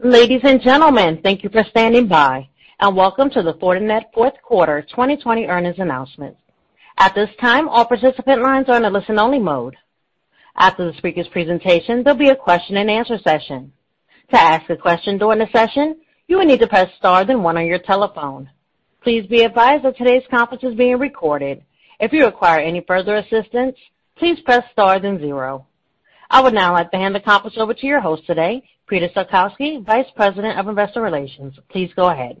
Ladies and gentlemen, thank you for standing by, and welcome to the Fortinet Fourth Quarter 2020 Earnings Announcement. At this time, all participant lines are in a listen-only mode. After the speakers' presentation, there'll be a question-and-answer session. I would now like to hand the conference over to your host today, Peter Salkowski, Vice President of Investor Relations. Please go ahead.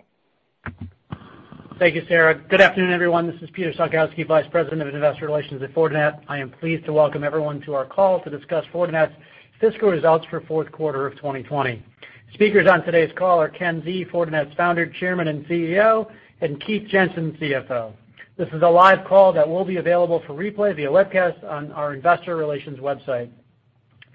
Thank you, Sarah. Good afternoon, everyone. This is Peter Salkowski, Vice President of Investor Relations at Fortinet. I am pleased to welcome everyone to our call to discuss Fortinet's fiscal results for fourth quarter of 2020. Speakers on today's call are Ken Xie, Fortinet's Founder, Chairman, and CEO, and Keith Jensen, CFO. This is a live call that will be available for replay via webcast on our Investor Relations website.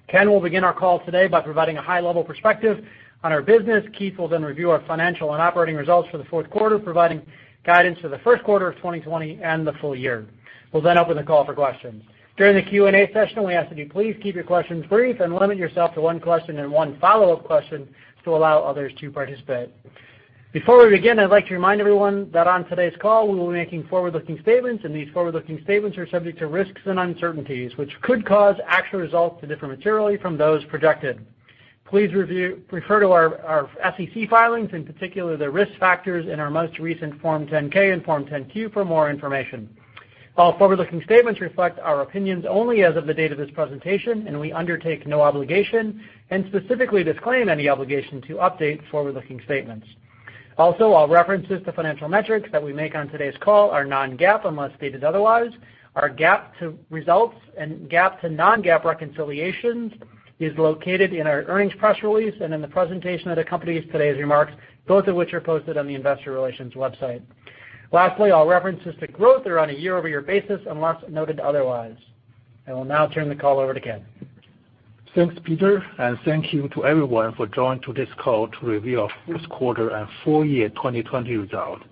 Ken will begin our call today by providing a high-level perspective on our business. Keith will review our financial and operating results for the fourth quarter, providing guidance for the fourth quarter of 2020 and the full year. We'll open the call for questions. During the Q&A session, we ask that you please keep your questions brief and limit yourself to one question and one follow-up question to allow others to participate. Before we begin, I'd like to remind everyone that on today's call, we will be making forward-looking statements, and these forward-looking statements are subject to risks and uncertainties, which could cause actual results to differ materially from those projected. Please refer to our SEC filings, in particular the risk factors in our most recent Form 10-K and Form 10-Q for more information. All forward-looking statements reflect our opinions only as of the date of this presentation, and we undertake no obligation, and specifically disclaim any obligation to update forward-looking statements. Also, all references to financial metrics that we make on today's call are non-GAAP unless stated otherwise. Our GAAP to results and GAAP to non-GAAP reconciliations is located in our earnings press release and in the presentation of the company's today's remarks, both of which are posted on the investor relations website. Lastly, all references to growth are on a year-over-year basis unless noted otherwise. I will now turn the call over to Ken. Thanks, Peter, and thank you to everyone for joining to this call to review our fourth quarter and full year 2020 results.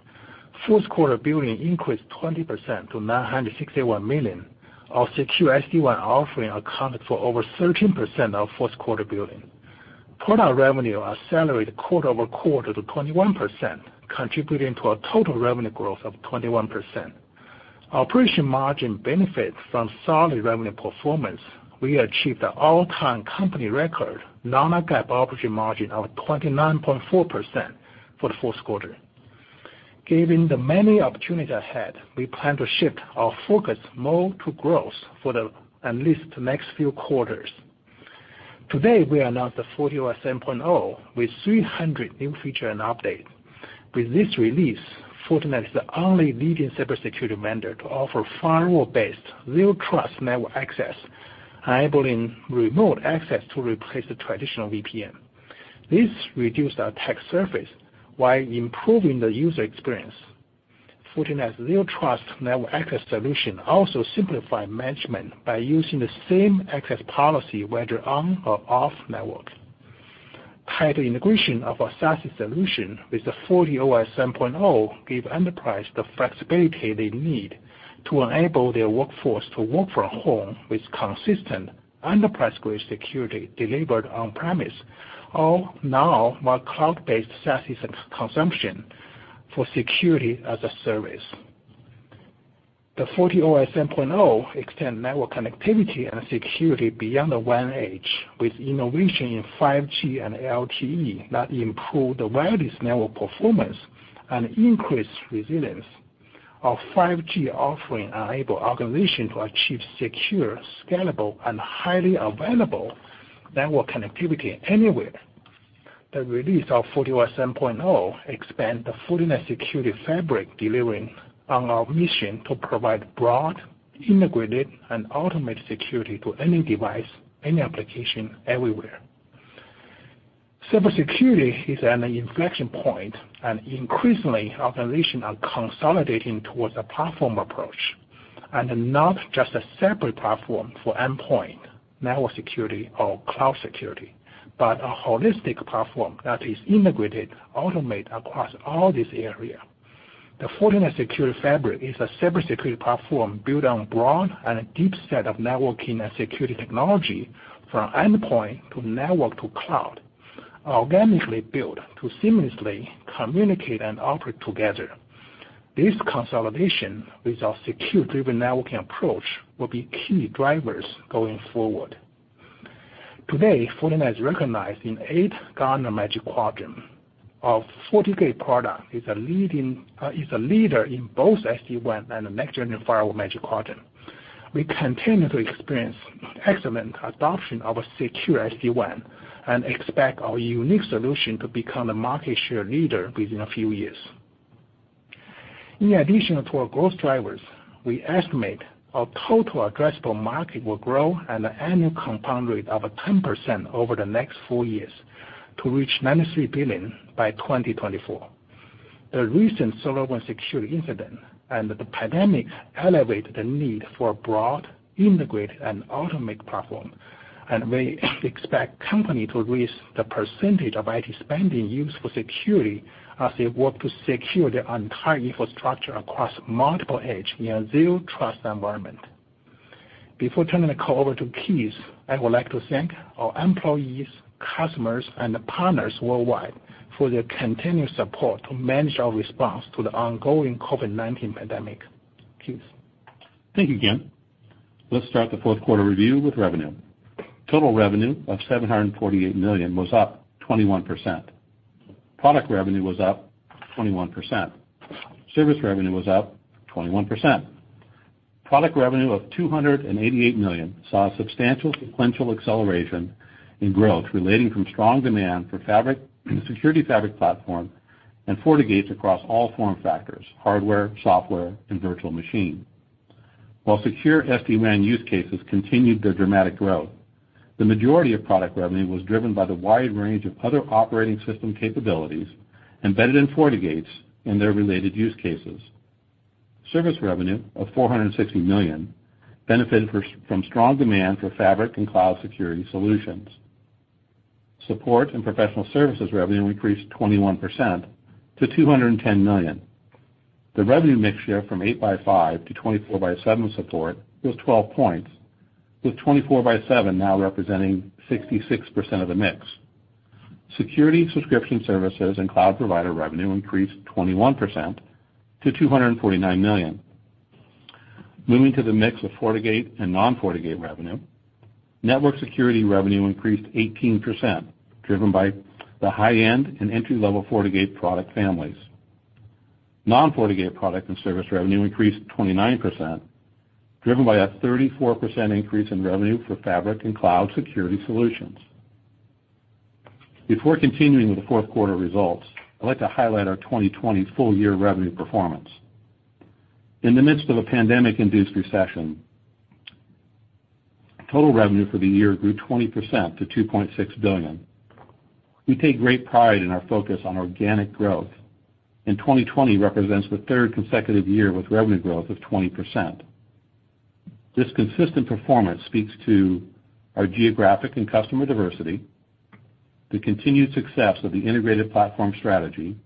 Fourth quarter billings increased 20% to $961 million. Our secure SD-WAN offering accounted for over 13% of fourth quarter billings. Product revenue accelerated quarter-over-quarter to 21%, contributing to a total revenue growth of 21%. Our operating margin benefits from solid revenue performance. We achieved an all-time company record non-GAAP operating margin of 29.4% for the fourth quarter. Given the many opportunities ahead, we plan to shift our focus more to growth for at least the next few quarters. Today, we announced the FortiOS 7.0 with 300 new features and updates. With this release, Fortinet is the only leading cybersecurity vendor to offer firewall-based, zero trust network access, enabling remote access to replace the traditional VPN. This reduced our attack surface while improving the user experience. Fortinet's zero trust network access solution also simplifies management by using the same access policy whether on or off network. Tight integration of our SaaS solution with the FortiOS 7.0 gives enterprise the flexibility they need to enable their workforce to work from home with consistent enterprise-grade security delivered on premise, or now more cloud-based SaaS consumption for security as a service. The FortiOS 7.0 extends network connectivity and security beyond the WAN edge with innovation in 5G and LTE that improve the wireless network performance and increase resilience. Our 5G offering enables organization to achieve secure, scalable, and highly available network connectivity anywhere. The release of FortiOS 7.0 expands the Fortinet Security Fabric delivering on our mission to provide broad, integrated, and automated security to any device, any application, everywhere. Increasingly, organizations are consolidating towards a platform approach, and not just a separate platform for endpoint, network security or cloud security, but a holistic platform that is integrated, automate across all these area. The Fortinet Security Fabric is a cybersecurity platform built on broad and a deep set of networking and security technology from endpoint to network to cloud, organically built to seamlessly communicate and operate together. This consolidation with our Security-Driven Networking approach will be key drivers going forward. Today, Fortinet is recognized in eight Gartner Magic Quadrant. Our FortiGate product is a leader in both SD-WAN and the next-generation firewall Magic Quadrant. We continue to experience excellent adoption of our secure SD-WAN and expect our unique solution to become the market share leader within a few years. In addition to our growth drivers, we estimate our total addressable market will grow at an annual compound rate of 10% over the next four years to reach $93 billion by 2024. The recent SolarWinds security incident and the pandemic elevate the need for a broad, integrated, and automatic platform, and we expect company to raise the percentage of IT spending used for security as they work to secure their entire infrastructure across multiple edge in a zero trust environment. Before turning the call over to Keith, I would like to thank our employees, customers, and partners worldwide for their continued support to manage our response to the ongoing COVID-19 pandemic. Keith? Thank you, Ken. Let's start the fourth quarter review with revenue. Total revenue of $748 million was up 21%. Product revenue was up 21%. Service revenue was up 21%. Product revenue of $288 million saw a substantial sequential acceleration in growth relating from strong demand for Security Fabric platform and FortiGates across all form factors, hardware, software, and virtual machine. While secure SD-WAN use cases continued their dramatic growth, the majority of product revenue was driven by the wide range of other operating system capabilities embedded in FortiGates and their related use cases. Service revenue of $460 million benefited from strong demand for fabric and cloud security solutions. Support and professional services revenue increased 21% to $210 million. The revenue mix shift from 8x5 to 24x7 support was 12 points, with 24x7 now representing 66% of the mix. Security subscription services and cloud provider revenue increased 21% to $249 million. Moving to the mix of FortiGate and non-FortiGate revenue, network security revenue increased 18%, driven by the high-end and entry-level FortiGate product families. Non-FortiGate product and service revenue increased 29%, driven by a 34% increase in revenue for fabric and cloud security solutions. Before continuing with the fourth quarter results, I'd like to highlight our 2020 full year revenue performance. In the midst of a pandemic-induced recession, total revenue for the year grew 20% to $2.6 billion. We take great pride in our focus on organic growth, and 2020 represents the third consecutive year with revenue growth of 20%. This consistent performance speaks to our geographic and customer diversity, the continued success of the integrated platform strategy,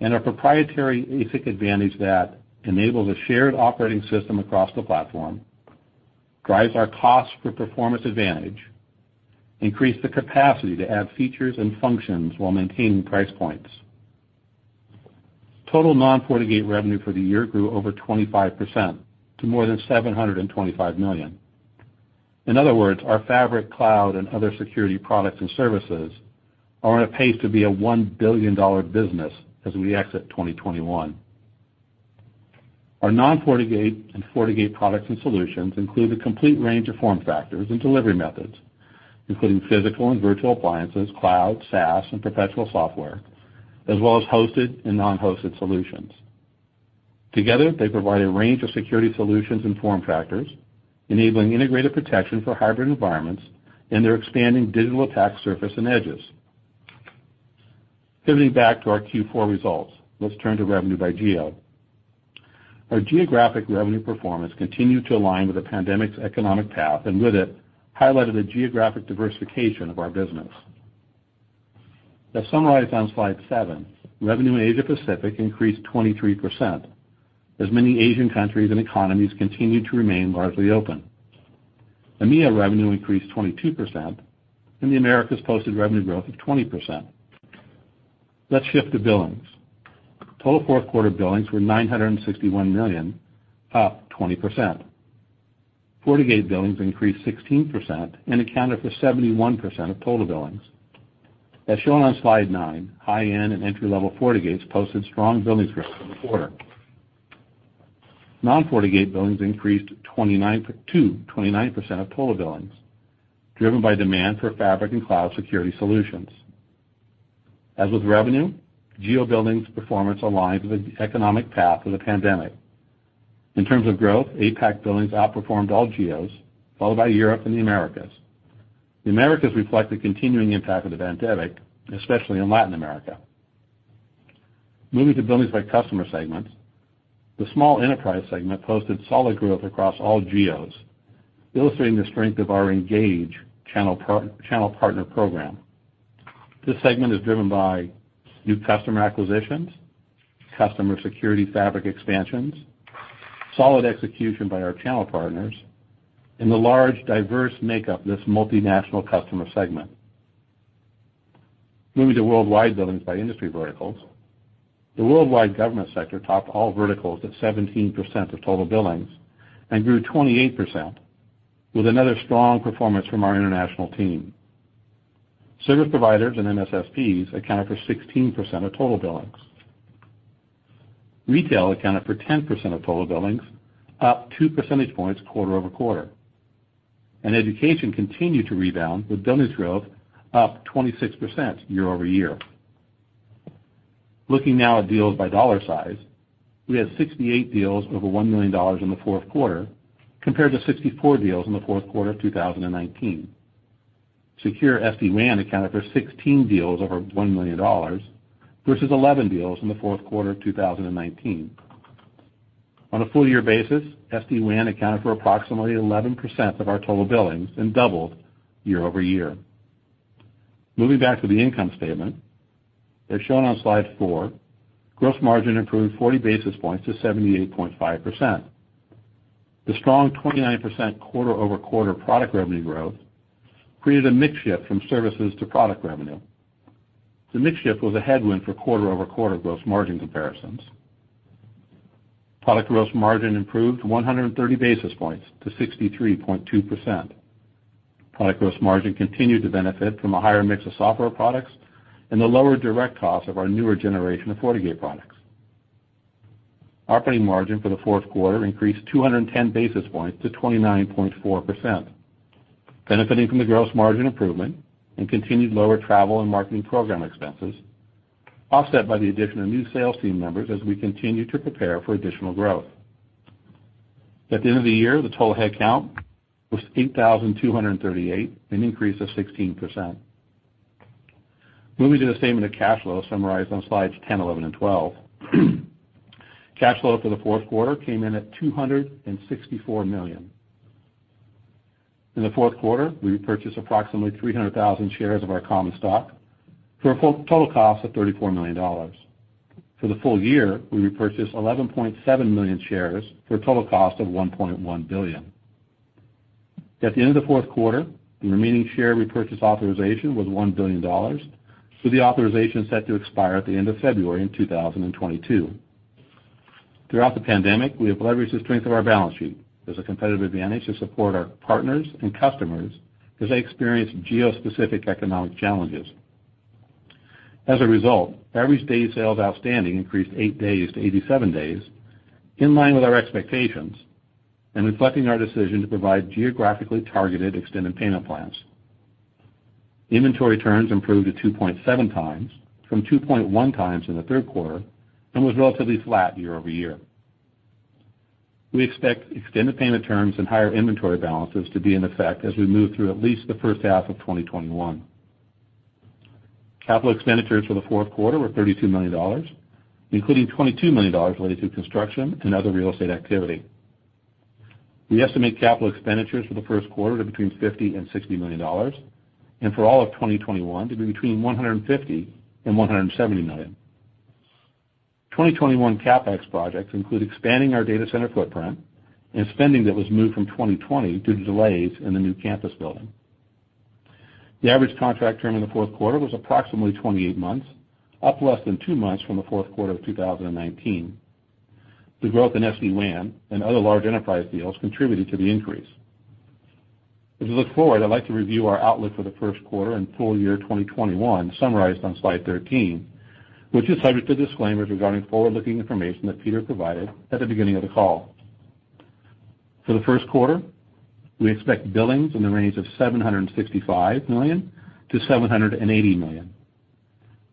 and our proprietary ASIC advantage that enables a shared operating system across the platform, drives our cost for performance advantage, increase the capacity to add features and functions while maintaining price points. Total non-FortiGate revenue for the year grew over 25% to more than $725 million. In other words, our fabric cloud and other security products and services are on a pace to be a $1 billion business as we exit 2021. Our non-FortiGate and FortiGate products and solutions include a complete range of form factors and delivery methods, including physical and virtual appliances, cloud, SaaS, and perpetual software, as well as hosted and non-hosted solutions. Together, they provide a range of security solutions and form factors, enabling integrated protection for hybrid environments and their expanding digital attack surface and edges. Pivoting back to our Q4 results, let's turn to revenue by geo. Our geographic revenue performance continued to align with the pandemic's economic path, and with it, highlighted the geographic diversification of our business. As summarized on slide seven, revenue in Asia Pacific increased 23%, as many Asian countries and economies continued to remain largely open. EMEA revenue increased 22%, and the Americas posted revenue growth of 20%. Let's shift to billings. Total fourth quarter billings were $961 million, up 20%. FortiGate billings increased 16% and accounted for 71% of total billings. As shown on slide nine, high-end and entry-level FortiGates posted strong billings growth for the quarter. Non-FortiGate billings increased to 29% of total billings, driven by demand for Fabric and cloud security solutions. As with revenue, geo billings performance aligns with the economic path of the pandemic. In terms of growth, APAC billings outperformed all geos, followed by Europe and the Americas. The Americas reflect the continuing impact of the pandemic, especially in Latin America. Moving to billings by customer segments, the small enterprise segment posted solid growth across all geos, illustrating the strength of our Engage channel partner program. This segment is driven by new customer acquisitions, customer Security Fabric expansions, solid execution by our channel partners, and the large, diverse makeup of this multinational customer segment. Moving to worldwide billings by industry verticals, the worldwide government sector topped all verticals at 17% of total billings and grew 28%, with another strong performance from our international team. Service providers and MSSPs accounted for 16% of total billings. Retail accounted for 10% of total billings, up two percentage points quarter-over-quarter, and education continued to rebound with billings growth up 26% year-over-year. Looking now at deals by dollar size, we had 68 deals over $1 million in the fourth quarter, compared to 64 deals in the fourth quarter of 2019. Secure SD-WAN accounted for 16 deals over $1 million, versus 11 deals in the fourth quarter of 2019. On a full year basis, SD-WAN accounted for approximately 11% of our total billings and doubled year-over-year. Moving back to the income statement, as shown on slide four, gross margin improved 40 basis points to 78.5%. The strong 29% quarter-over-quarter product revenue growth created a mix shift from services to product revenue. The mix shift was a headwind for quarter-over-quarter gross margin comparisons. Product gross margin improved 130 basis points to 63.2%. Product gross margin continued to benefit from a higher mix of software products and the lower direct cost of our newer generation of FortiGate products. Operating margin for the fourth quarter increased 210 basis points to 29.4%, benefiting from the gross margin improvement and continued lower travel and marketing program expenses, offset by the addition of new sales team members as we continue to prepare for additional growth. At the end of the year, the total headcount was 8,238, an increase of 16%. Moving to the statement of cash flow summarized on slides 10, 11 and 12. Cash flow for the fourth quarter came in at $264 million. In the fourth quarter, we repurchased approximately 300,000 shares of our common stock for a total cost of $34 million. For the full year, we repurchased 11.7 million shares for a total cost of $1.1 billion. At the end of the fourth quarter, the remaining share repurchase authorization was $1 billion, with the authorization set to expire at the end of February in 2022. Throughout the pandemic, we have leveraged the strength of our balance sheet as a competitive advantage to support our partners and customers as they experience geo-specific economic challenges. As a result, average day sales outstanding increased eight days to 87 days, in line with our expectations and reflecting our decision to provide geographically targeted extended payment plans. Inventory turns improved to 2.7x from 2.1x in the third quarter and was relatively flat year-over-year. We expect extended payment terms and higher inventory balances to be in effect as we move through at least the first half of 2021. Capital expenditures for the fourth quarter were $32 million, including $22 million related to construction and other real estate activity. We estimate capital expenditures for the first quarter to between $50 million and $60 million, and for all of 2021 to be between $150 million and $170 million. 2021 CapEx projects include expanding our data center footprint and spending that was moved from 2020 due to delays in the new campus building. The average contract term in the fourth quarter was approximately 28 months, up less than two months from the fourth quarter of 2019. The growth in SD-WAN and other large enterprise deals contributed to the increase. As we look forward, I'd like to review our outlook for the first quarter and full year 2021, summarized on slide 13, which is subject to disclaimers regarding forward-looking information that Peter provided at the beginning of the call. For the first quarter, we expect billings in the range of $765 million-$780 million.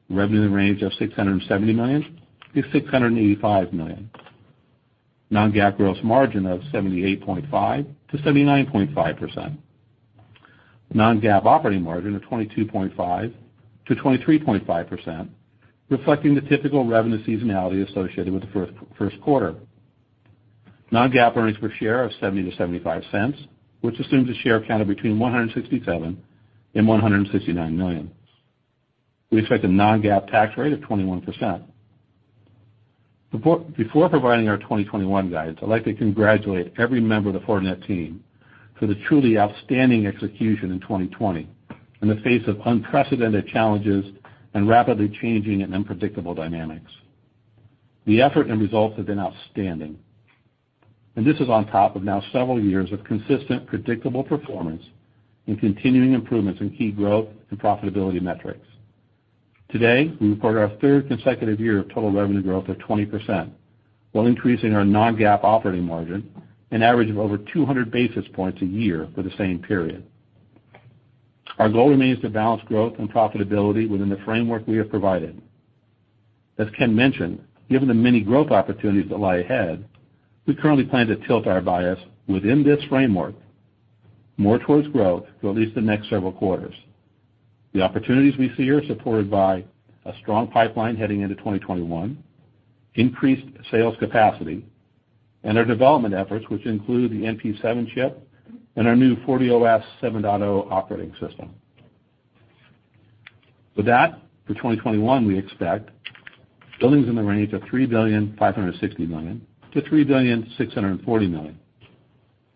Revenue in the range of $670 million-$685 million. non-GAAP gross margin of 78.5%-79.5%. non-GAAP operating margin of 22.5%-23.5%, reflecting the typical revenue seasonality associated with the first quarter. Non-GAAP earnings per share of $0.70 to $0.75, which assumes a share count of between 167 million and 169 million. We expect a non-GAAP tax rate of 21%. Before providing our 2021 guidance, I'd like to congratulate every member of the Fortinet team for the truly outstanding execution in 2020 in the face of unprecedented challenges and rapidly changing and unpredictable dynamics. The effort and results have been outstanding. This is on top of now several years of consistent, predictable performance and continuing improvements in key growth and profitability metrics. Today, we report our third consecutive year of total revenue growth of 20% while increasing our non-GAAP operating margin an average of over 200 basis points a year for the same period. Our goal remains to balance growth and profitability within the framework we have provided. As Ken mentioned, given the many growth opportunities that lie ahead, we currently plan to tilt our bias within this framework more towards growth for at least the next several quarters. The opportunities we see are supported by a strong pipeline heading into 2021, increased sales capacity, and our development efforts, which include the NP7 chip and our new FortiOS 7.0 operating system. With that, for 2021, we expect billings in the range of $3,560 million-$3,640 million,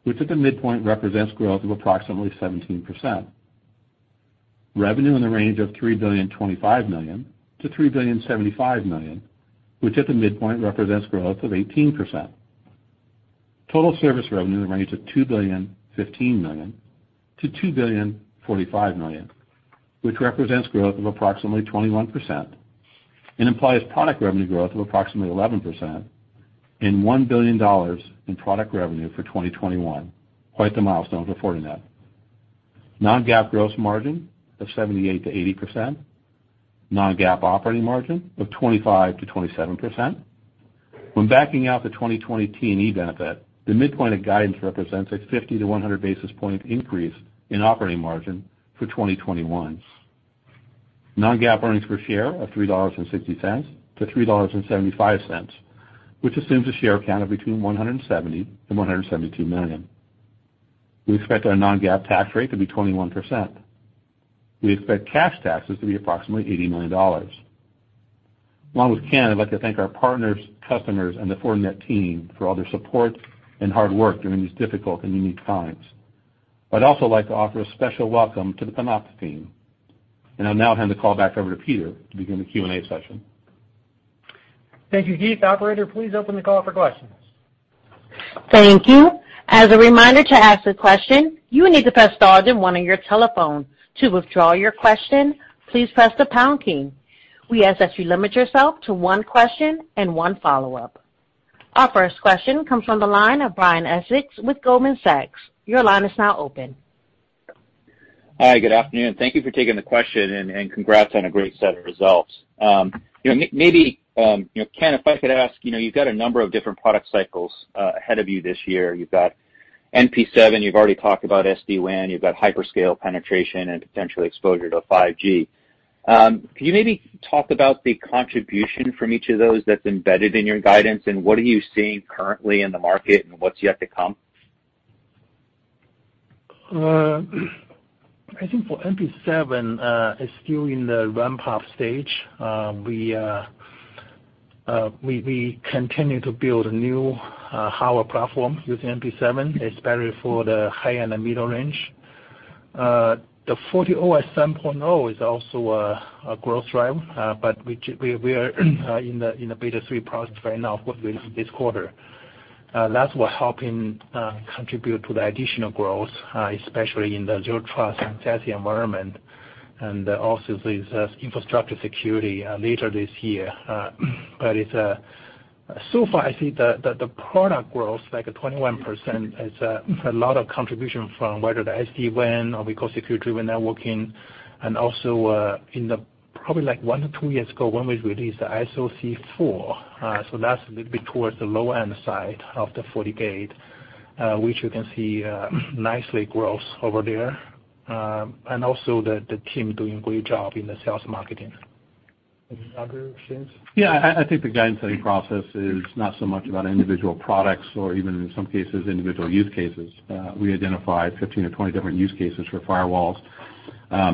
which at the midpoint represents growth of approximately 17%. Revenue in the range of $3,025 million-$3,075 million, which at the midpoint represents growth of 18%. Total service revenue in the range of $2,015 million-$2,045 million, which represents growth of approximately 21% and implies product revenue growth of approximately 11% and $1 billion in product revenue for 2021, quite the milestone for Fortinet. Non-GAAP gross margin of 78%-80%. Non-GAAP operating margin of 25%-27%. When backing out the 2020 T&E benefit, the midpoint of guidance represents a 50 to 100 basis point increase in operating margin for 2021. Non-GAAP earnings per share of $3.60-$3.75, which assumes a share count of between 170 and 172 million. We expect our non-GAAP tax rate to be 21%. We expect cash taxes to be approximately $80 million. Along with Ken, I'd like to thank our partners, customers, and the Fortinet team for all their support and hard work during these difficult and unique times. I'd also like to offer a special welcome to the Panopta team. I'll now hand the call back over to Peter to begin the Q&A session. Thank you, Keith. Operator, please open the call for questions. Thank you. As a reminder, to ask a question, you need to press star then one on your telephone. To withdraw your question, please press the pound key. We ask that you limit yourself to one question and one follow-up. Our first question comes from the line of Brian Essex with Goldman Sachs. Your line is now open. Hi, good afternoon. Thank you for taking the question, and congrats on a great set of results. Maybe, Ken, if I could ask, you've got a number of different product cycles ahead of you this year. You've got NP7, you've already talked about SD-WAN, you've got hyperscale penetration and potential exposure to 5G. Can you maybe talk about the contribution from each of those that's embedded in your guidance, and what are you seeing currently in the market and what's yet to come? I think for NP7, it's still in the ramp-up stage. We continue to build new hardware platforms with NP7, especially for the high and the middle range. The FortiOS 7.0 is also a growth driver, but we are in the beta three process right now for this quarter. That's what helping contribute to the additional growth, especially in the zero trust and SASE environment, and also the infrastructure security later this year. So far I see that the product growth, like at 21%, is a lot of contribution from whether the SD-WAN or because Security-Driven Networking, and also in the probably like one to two years ago when we released the SOC4. That's a little bit towards the low-end side of the FortiGate, which you can see nicely grows over there. Also the team doing a great job in the sales marketing. Any other things? Yeah, I think the guidance setting process is not so much about individual products or even in some cases, individual use cases. We identified 15 to 20 different use cases for FortiGates.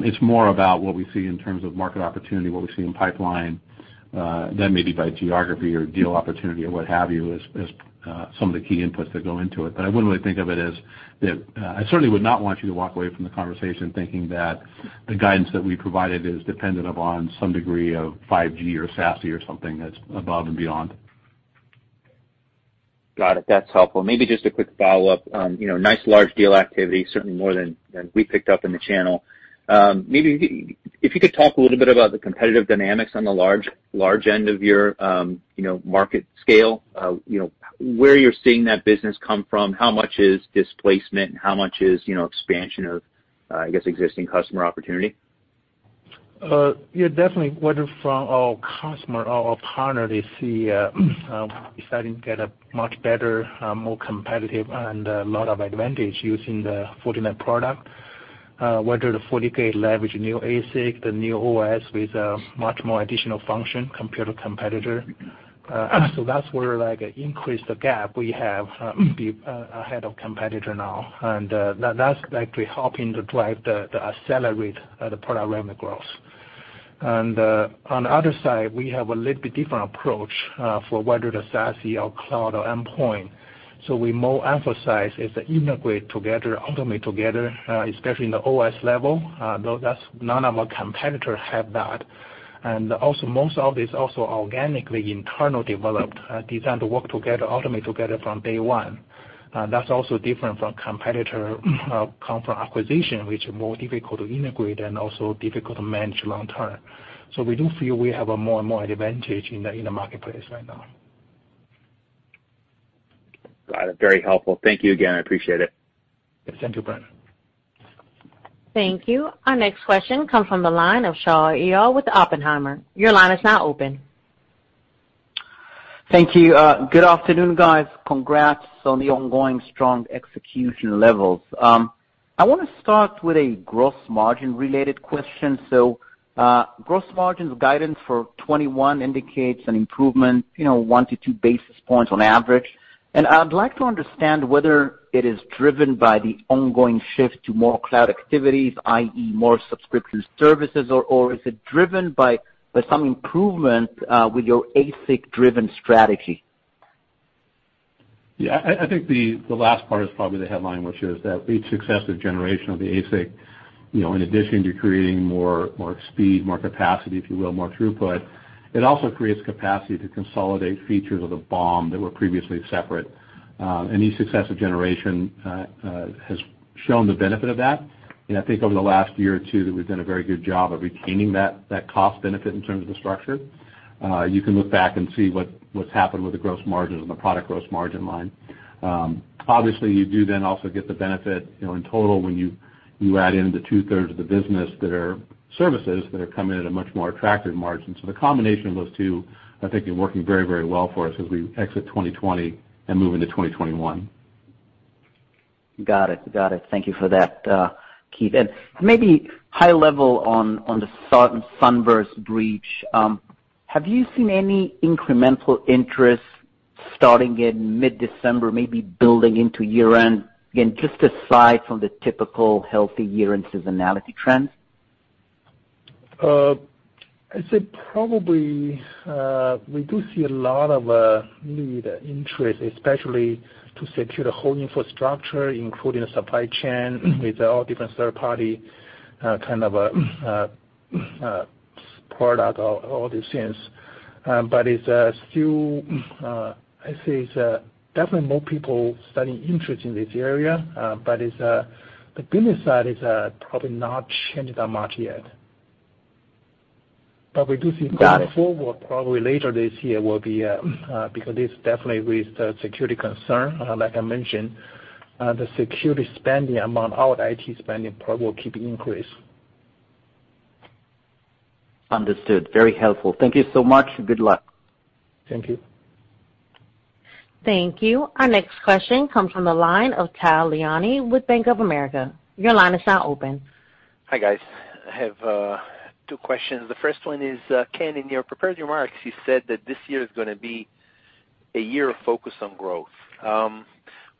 It's more about what we see in terms of market opportunity, what we see in pipeline, then maybe by geography or deal opportunity or what have you as some of the key inputs that go into it. But I wouldn't really think of it as that. I certainly would not want you to walk away from the conversation thinking that the guidance that we provided is dependent upon some degree of 5G or SASE or something that's above and beyond. Got it. That's helpful. Maybe just a quick follow-up. Nice large deal activity, certainly more than we picked up in the channel. Maybe if you could talk a little bit about the competitive dynamics on the large end of your market scale, where you're seeing that business come from, how much is displacement, and how much is expansion of, I guess, existing customer opportunity. Yeah, definitely, whether from our customer or our partner, they see we're starting to get a much better, more competitive, and a lot of advantage using the Fortinet product. Whether the FortiGate leverage new ASIC, the new OS with much more additional function compared to competitor. That's where like increase the gap we have ahead of competitor now. That's actually helping to drive the accelerate the product revenue growth. On the other side, we have a little bit different approach for whether the SASE, or cloud, or endpoint. We more emphasize is the integrate together, automate together, especially in the OS level. Though none of our competitors have that. Also most of this also organically internal developed, designed to work together, automate together from day one. That's also different from competitor come from acquisition, which are more difficult to integrate and also difficult to manage long term. We do feel we have a more and more advantage in the marketplace right now. Got it. Very helpful. Thank you again, I appreciate it. Yes, thank you, Brian. Thank you. Our next question comes from the line of Shaul Eyal with Oppenheimer. Thank you. Good afternoon, guys. Congrats on the ongoing strong execution levels. I want to start with a gross margin-related question. Gross margins guidance for 2021 indicates an improvement, one to two basis points on average. I'd like to understand whether it is driven by the ongoing shift to more cloud activities, i.e., more subscription services, or is it driven by some improvement with your ASIC-driven strategy? Yeah, I think the last part is probably the headline, which is that each successive generation of the ASIC, in addition to creating more speed, more capacity, if you will, more throughput, it also creates capacity to consolidate features of the BOM that were previously separate. Each successive generation has shown the benefit of that. I think over the last year or two that we've done a very good job of retaining that cost benefit in terms of the structure. You can look back and see what's happened with the gross margins and the product gross margin line. Obviously, you do then also get the benefit in total when you add in the two-thirds of the business that are services that are coming in at a much more attractive margin. The combination of those two, I think have been working very well for us as we exit 2020 and move into 2021. Got it. Thank you for that, Keith. Maybe high level on the SUNBURST breach. Have you seen any incremental interest starting in mid-December, maybe building into year-end? Again, just aside from the typical healthy year-end seasonality trends. I'd say probably, we do see a lot of need interest, especially to secure the whole infrastructure, including the supply chain, with all different third-party kind of product, all these things. I'd say it's definitely more people studying interest in this area, but the business side is probably not changed that much yet. Got it. Going forward, probably later this year, because this definitely raised a security concern. Like I mentioned, the security spending among our IT spending probably will keep increase. Understood. Very helpful. Thank you so much. Good luck. Thank you. Thank you. Our next question comes from the line of Tal Liani with Bank of America. Hi, guys. I have two questions. The first one is, Ken, in your prepared remarks, you said that this year is going to be a year of focus on growth.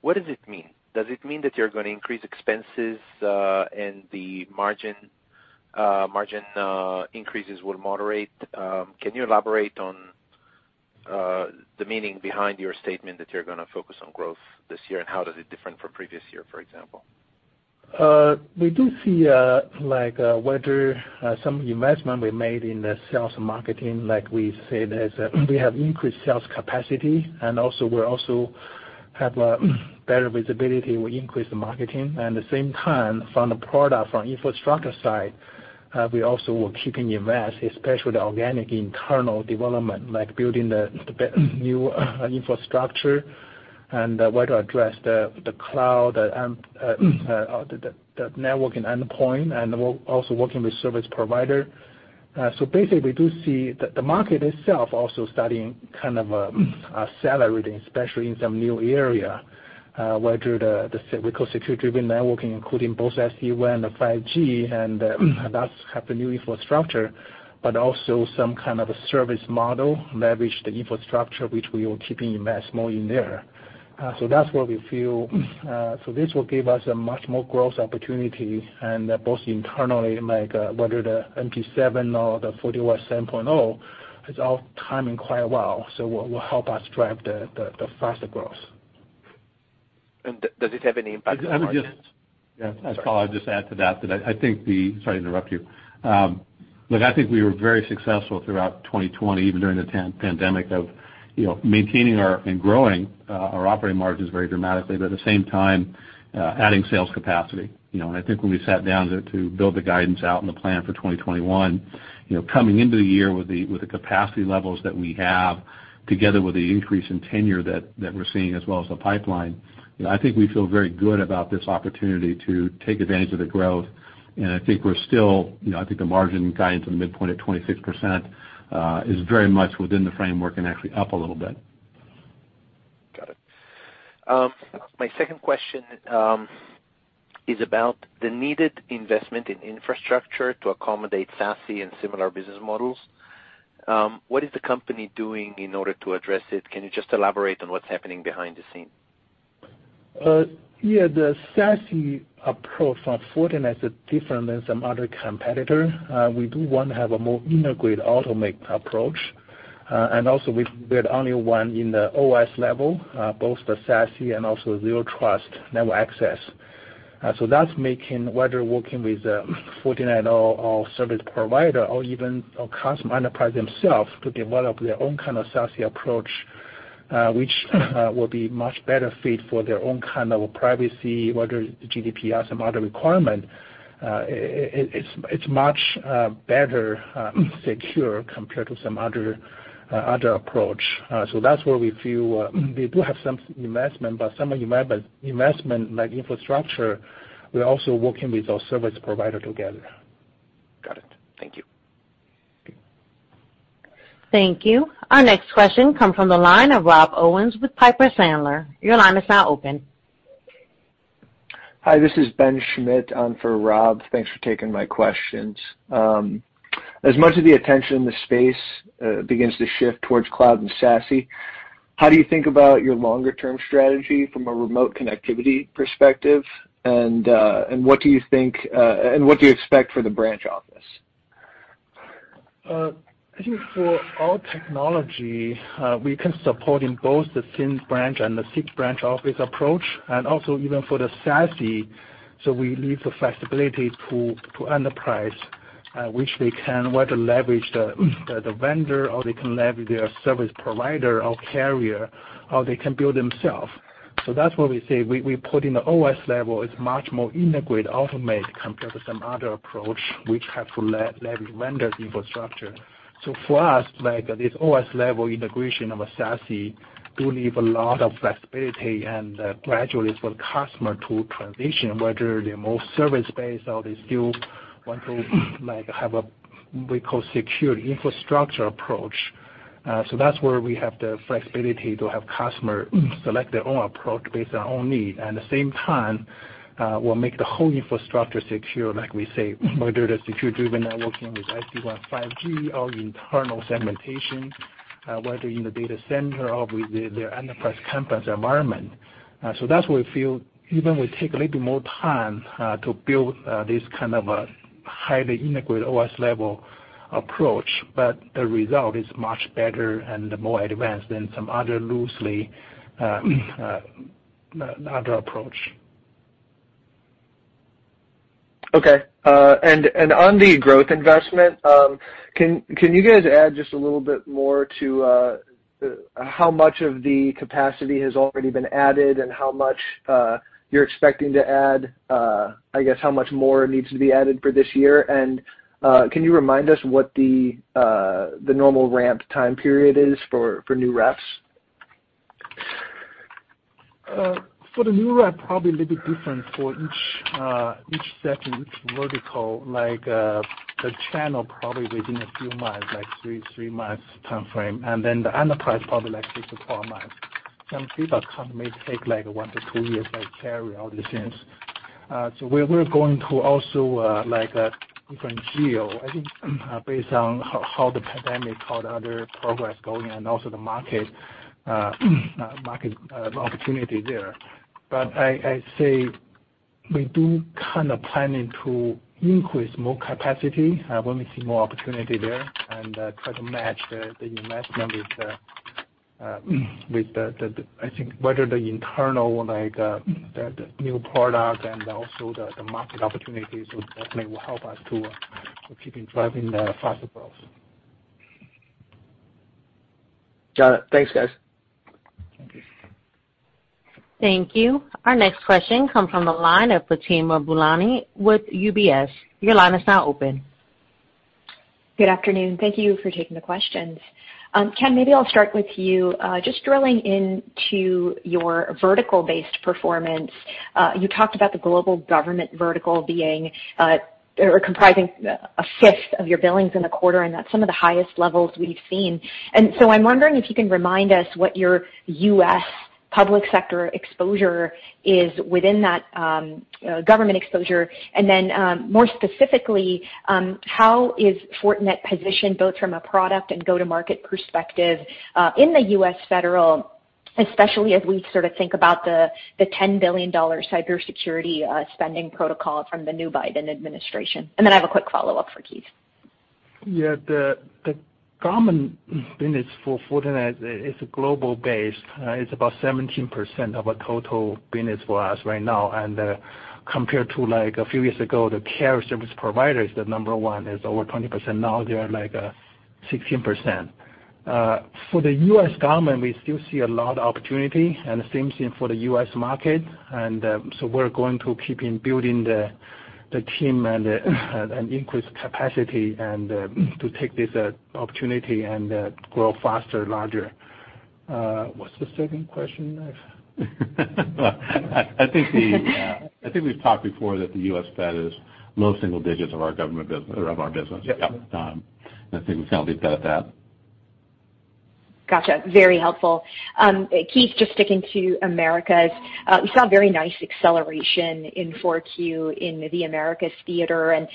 What does it mean? Does it mean that you're going to increase expenses, and the margin increases will moderate? Can you elaborate on the meaning behind your statement that you're going to focus on growth this year, and how does it different from previous year, for example? We do see some investment we made in the sales and marketing, like we said, we have increased sales capacity. We also have better visibility. We increase the marketing. The same time, from the product, from infrastructure side, we also will keep invest, especially the organic internal development, like building the new infrastructure and where to address the cloud, the networking endpoint, and we're also working with service provider. Basically, we do see the market itself also starting kind of accelerating, especially in some new area. We call Security-Driven Networking, including both SD-WAN and 5G, and that's have the new infrastructure, but also some kind of a service model, leverage the infrastructure, which we will keep invest more in there. This will give us a much more growth opportunity, and both internally, like whether the NP7 or the FortiOS 7.0, is all timing quite well, so will help us drive the faster growth. Does it have any impact on margins? Let me just Sorry. Yeah. I'll just add to that. Sorry to interrupt you. Look, I think we were very successful throughout 2020, even during the pandemic, of maintaining our and growing our operating margins very dramatically. At the same time, adding sales capacity. I think when we sat down to build the guidance out and the plan for 2021, coming into the year with the capacity levels that we have together with the increase in tenure that we're seeing, as well as the pipeline, I think we feel very good about this opportunity to take advantage of the growth. I think the margin guidance in the midpoint at 26% is very much within the framework and actually up a little bit. Got it. My second question is about the needed investment in infrastructure to accommodate SASE and similar business models. What is the company doing in order to address it? Can you just elaborate on what's happening behind the scene? Yeah. The SASE approach from Fortinet is different than some other competitor. We do want to have a more integrated automate approach. Also, we're only one in the OS level, both the SASE and also Zero Trust network access. That's making whether working with Fortinet or service provider or even a custom enterprise themself to develop their own kind of SASE approach, which will be much better fit for their own kind of privacy, whether GDPR, some other requirement. It's much better secure compared to some other approach. That's where we feel we do have some investment, but some investment, like infrastructure, we're also working with our service provider together. Got it. Thank you. Okay. Thank you. Our next question comes from the line of Rob Owens with Piper Sandler. Your line is now open. Hi, this is Ben Schmitt on for Rob. Thanks for taking my questions. As much of the attention in the space begins to shift towards cloud and SASE, how do you think about your longer term strategy from a remote connectivity perspective? What do you expect for the branch office? I think for all technology, we can support in both the thin branch and the thick branch office approach, and also even for the SASE. We leave the flexibility to enterprise, which they can, whether leverage the vendor or they can leverage their service provider or carrier, or they can build themselves. That's why we say we put in the OS level is much more integrated automate compared to some other approach, which have to leverage vendor's infrastructure. For us, like this OS level integration of a SASE do leave a lot of flexibility and gradually for customer to transition, whether they're more service-based or they still want to have a, we call security infrastructure approach. That's where we have the flexibility to have customer select their own approach based on own need. At the same time, we'll make the whole infrastructure secure, like we say, whether it is Security-Driven Networking with SD-WAN 5G or internal segmentation, whether in the data center or with their enterprise campus environment. That's where we feel even we take a little bit more time to build this kind of a highly integrated OS-level approach, but the result is much better and more advanced than some other loosely other approach. Okay. On the growth investment, can you guys add just a little bit more to how much of the capacity has already been added and how much, you're expecting to add, I guess how much more needs to be added for this year? Can you remind us what the normal ramp time period is for new reps? For the new rep, probably a little different for each section, each vertical. The channel probably within a few months, like three months timeframe, and then the enterprise probably six to four months. Some 3D touch company take one to two years, carry all the things. We're going to also different geo. I think based on how the pandemic, how the other progress going and also the market opportunity there. I say we do kind of planning to increase more capacity when we see more opportunity there and try to match the investment with the, I think whether the internal new product and also the market opportunities would definitely will help us to keeping driving the faster growth. Got it. Thanks, guys. Thank you. Thank you. Our next question comes from the line of Fatima Boolani with UBS. Your line is now open. Good afternoon. Thank you for taking the questions. Ken, maybe I'll start with you. Just drilling into your vertical-based performance. You talked about the global government vertical comprising a fifth of your billings in the quarter, and that's some of the highest levels we've seen. I'm wondering if you can remind us what your U.S. public sector exposure is within that government exposure. More specifically, how is Fortinet positioned both from a product and go-to-market perspective, in the U.S. federal, especially as we sort of think about the $10 billion cybersecurity spending protocol from the new Biden administration? I have a quick follow-up for Keith. Yeah. The government business for Fortinet is global based. It's about 17% of our total business for us right now. Compared to a few years ago, the carrier service provider is the number 1, is over 20%. Now they are, like, 16%. For the U.S. government, we still see a lot of opportunity and the same thing for the U.S. market. So we're going to keep building the team and increase capacity and to take this opportunity and grow faster, larger. What's the second question, I've? I think we've talked before that the U.S. Fed is low single digits of our government business, of our business. Yep. Yeah. I think we can all leave it at that. Got you. Very helpful. Keith, just sticking to Americas. You saw a very nice acceleration in 4Q in the Americas theater and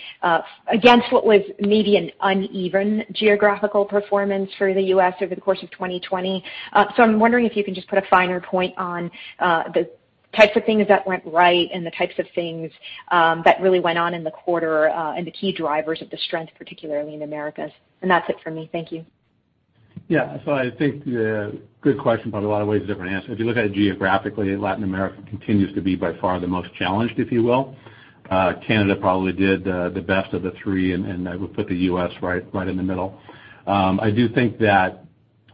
against what was maybe an uneven geographical performance for the U.S. over the course of 2020. I'm wondering if you can just put a finer point on the types of things that went right and the types of things that really went on in the quarter, and the key drivers of the strength, particularly in Americas. That's it for me. Thank you. Yeah. I think the good question, but a lot of ways, different answers. If you look at it geographically, Latin America continues to be by far the most challenged, if you will. Canada probably did the best of the three, and I would put the U.S. right in the middle. I do think that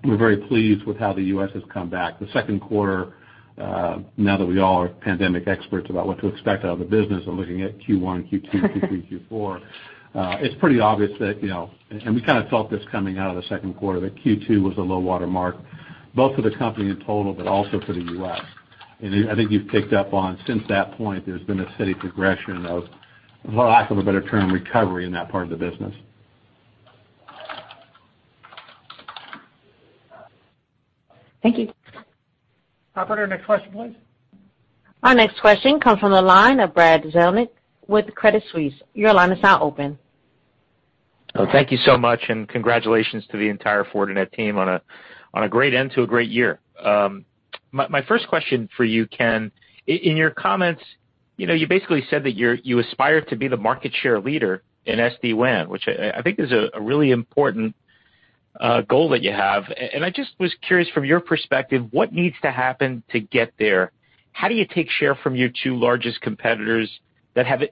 we're very pleased with how the U.S. has come back. The second quarter, now that we all are pandemic experts about what to expect out of the business and looking at Q1, Q2, Q3, Q4, it's pretty obvious that, and we kind of felt this coming out of the second quarter, that Q2 was a low water mark both for the company in total, but also for the U.S. I think you've picked up on since that point, there's been a steady progression of, for lack of a better term, recovery in that part of the business. Thank you. Operator, next question, please. Our next question comes from the line of Brad Zelnick with Credit Suisse. Your line is now open. Thank you so much, and congratulations to the entire Fortinet team on a great end to a great year. My first question for you, Ken. In your comments, you basically said that you aspire to be the market share leader in SD-WAN, which I think is a really important goal that you have. I just was curious from your perspective, what needs to happen to get there? How do you take share from your two largest competitors that have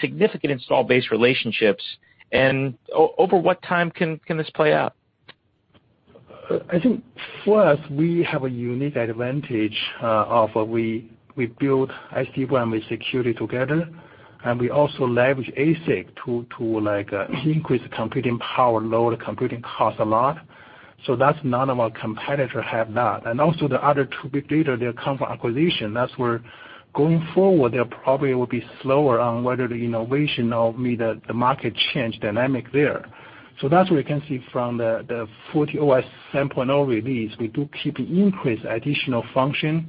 significant install base relationships, and over what time can this play out? I think first, we have a unique advantage of we build SD-WAN with security together. We also leverage ASIC to increase the computing power, lower the computing cost a lot. That's none of our competitor have that. Also the other two big data, they come from acquisition. That's where going forward, they probably will be slower on whether the innovation or the market change dynamic there. That's where you can see from the FortiOS 7.0 release, we do keep increasing additional function,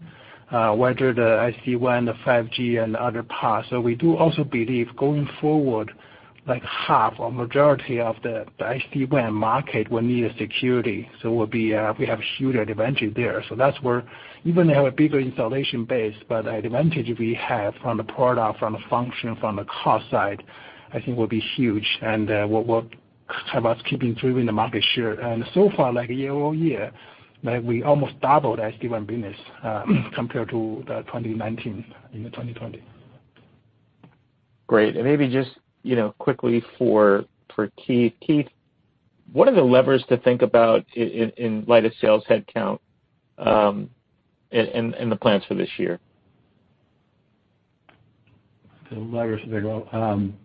whether the SD-WAN, the 5G and other parts. We do also believe going forward, like half or majority of the SD-WAN market will need security. We have huge advantage there. That's where even they have a bigger installation base, but the advantage we have from the product, from the function, from the cost side, I think will be huge and will have us keeping improving the market share. So far, year-over-year, we almost doubled SD-WAN business compared to 2019, in 2020. Great. Maybe just quickly for Keith. Keith, what are the levers to think about in light of sales headcount, and the plans for this year? The levers to think about. I'm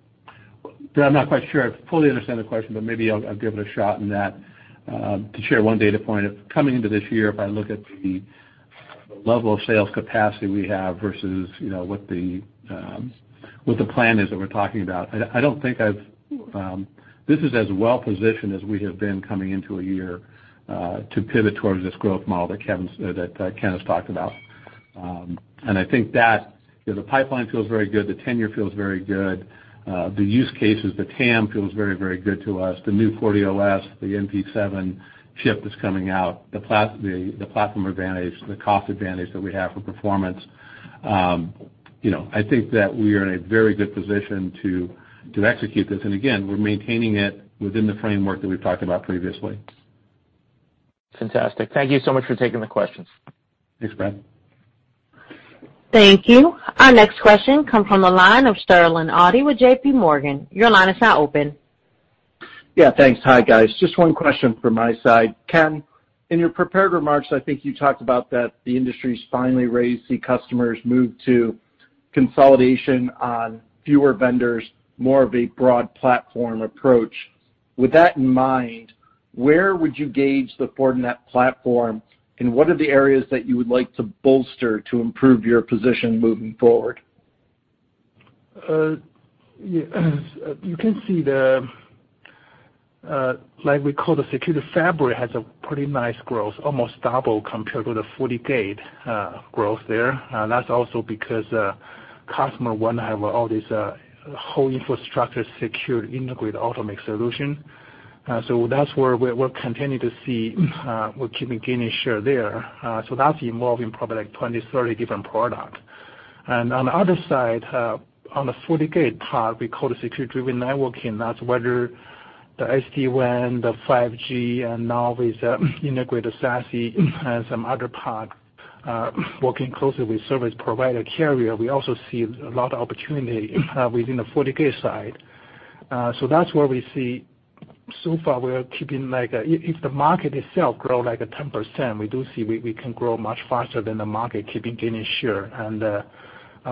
not quite sure I fully understand the question, but maybe I'll give it a shot in that, to share one data point. Coming into this year, if I look at the level of sales capacity we have versus what the plan is that we're talking about, I don't think this is as well-positioned as we have been coming into a year, to pivot towards this growth model that Ken Xie has talked about. I think that the pipeline feels very good, the tenure feels very good. The use cases, the TAM feels very, very good to us. The new FortiOS, the NP7 chip that's coming out, the platform advantage, the cost advantage that we have for performance. I think that we are in a very good position to execute this. Again, we're maintaining it within the framework that we've talked about previously. Fantastic. Thank you so much for taking the questions. Thanks, Brad. Thank you. Our next question comes from the line of Sterling Auty with JPMorgan. Your line is now open. Yeah, thanks. Hi, guys. Just one question from my side. Ken, in your prepared remarks, I think you talked about that the industry's finally ready to see customers move to consolidation on fewer vendors, more of a broad platform approach. With that in mind, where would you gauge the Fortinet platform, and what are the areas that you would like to bolster to improve your position moving forward? You can see the, like we call the Security Fabric, has a pretty nice growth, almost double compared to the FortiGate growth there. That's also because customer want to have all this whole infrastructure secured, integrated automatic solution. That's where we're continuing to see, we're keeping gaining share there. That's involving probably like 20, 30 different product. On the other side, on the FortiGate part, we call the Security-Driven Networking. That's whether the SD-WAN, the 5G, and now with integrated SASE and some other part. Working closely with service provider carrier, we also see a lot of opportunity within the FortiGate side. That's where we see so far, if the market itself grow like a 10%, we do see we can grow much faster than the market, keeping gaining share,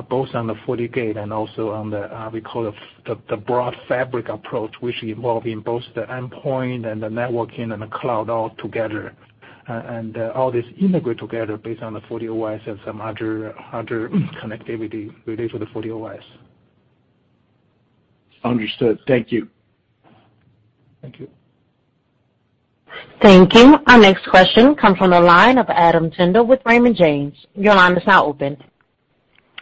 both on the FortiGate and also on the, we call the broad fabric approach, which involving both the endpoint and the networking and the cloud all together. All this integrate together based on the FortiOS and some other connectivity related to the FortiOS. Understood. Thank you. Thank you. Thank you. Our next question comes from the line of Adam Tindle with Raymond James. Your line is now open.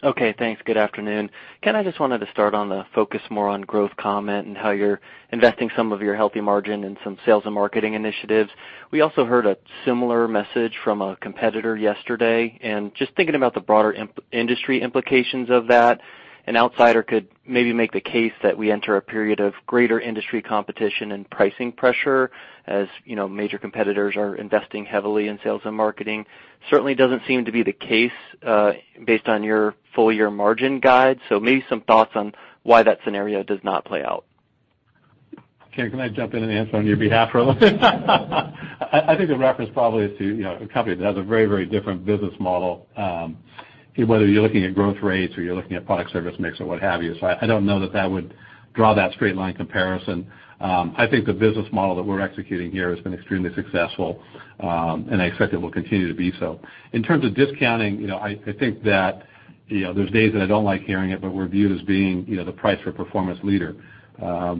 Okay, thanks. Good afternoon. Ken, I just wanted to start on the focus more on growth comment and how you're investing some of your healthy margin in some sales and marketing initiatives. We also heard a similar message from a competitor yesterday. Just thinking about the broader industry implications of that, an outsider could maybe make the case that we enter a period of greater industry competition and pricing pressure, as major competitors are investing heavily in sales and marketing. Certainly doesn't seem to be the case, based on your full year margin guide. Maybe some thoughts on why that scenario does not play out? Ken, can I jump in and answer on your behalf for a little bit? I think the reference probably is to a company that has a very, very different business model, whether you're looking at growth rates or you're looking at product service mix or what have you. I don't know that that would draw that straight line comparison. I think the business model that we're executing here has been extremely successful, and I expect it will continue to be so. In terms of discounting, I think that there's days that I don't like hearing it, but we're viewed as being the price for performance leader. We're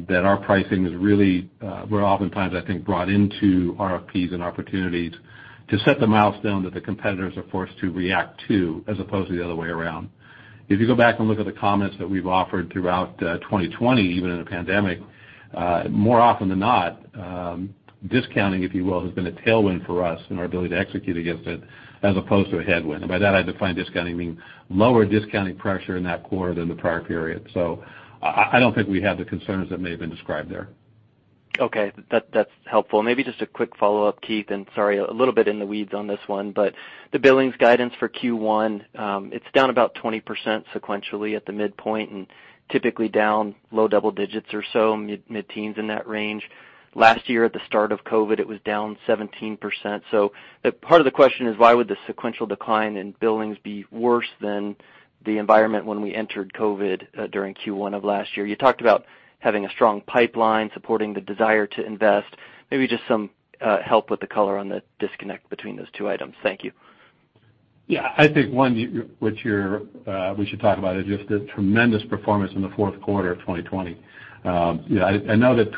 oftentimes, I think, brought into RFPs and opportunities to set the milestone that the competitors are forced to react to as opposed to the other way around. If you go back and look at the comments that we've offered throughout 2020, even in the pandemic, more often than not, discounting, if you will, has been a tailwind for us and our ability to execute against it as opposed to a headwind. By that, I define discounting meaning lower discounting pressure in that quarter than the prior period. I don't think we have the concerns that may have been described there. Okay. That's helpful. Maybe just a quick follow-up, Keith, and sorry, a little bit in the weeds on this one, but the billings guidance for Q1, it's down about 20% sequentially at the midpoint and typically down low double digits or so, mid-teens in that range. Last year at the start of COVID, it was down 17%. Part of the question is, why would the sequential decline in billings be worse than the environment when we entered COVID during Q1 of last year? You talked about having a strong pipeline supporting the desire to invest. Maybe just some help with the color on the disconnect between those two items. Thank you. Yeah, I think one, what we should talk about is just the tremendous performance in the fourth quarter of 2020. I know that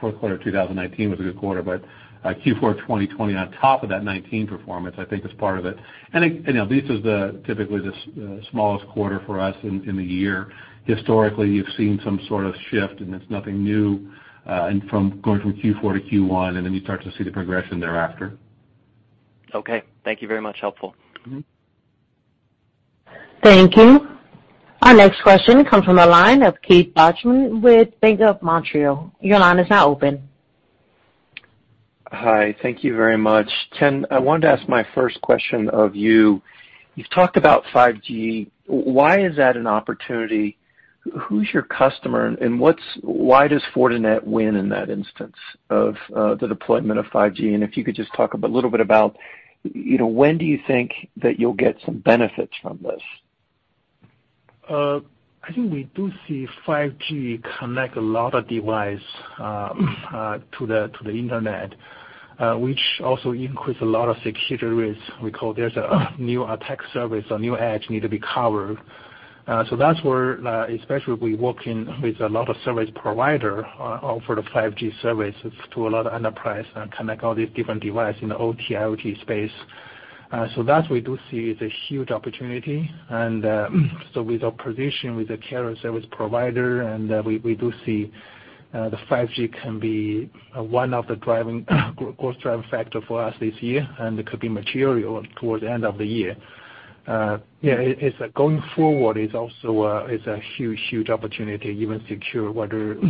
fourth quarter of 2019 was a good quarter, but Q4 2020 on top of that 2019 performance, I think is part of it. I think, this is typically the smallest quarter for us in the year. Historically, you've seen some sort of shift, and it's nothing new, going from Q4 to Q1, and then you start to see the progression thereafter. Okay. Thank you very much. Helpful. Thank you. Our next question comes from the line of Keith Bachman with Bank of Montreal. Your line is now open. Hi. Thank you very much. Ken, I wanted to ask my first question of you. You've talked about 5G. Why is that an opportunity? Who's your customer, and why does Fortinet win in that instance of the deployment of 5G? If you could just talk a little bit about when do you think that you'll get some benefits from this? I think we do see 5G connect a lot of device to the internet, which also increase a lot of security risk. We call there's a new attack surface, a new edge need to be covered. That's where, especially we work in with a lot of service provider offer the 5G services to a lot of enterprise and connect all these different device in the OT, IoT space. That we do see is a huge opportunity. With our position with the carrier service provider, and we do see the 5G can be one of the driving growth factor for us this year, and it could be material towards the end of the year. Yeah, going forward is a huge opportunity, even security.